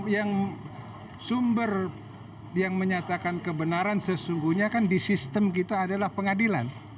yang sumber yang menyatakan kebenaran sesungguhnya kan di sistem kita adalah pengadilan